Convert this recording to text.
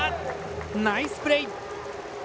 ナイスプレー。